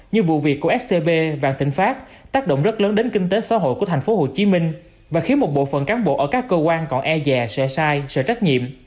scp và tỉnh pháp tác động rất lớn đến kinh tế xã hội của tp hcm và khiến một bộ phận cán bộ ở các cơ quan còn e dè sợ sai sợ trách nhiệm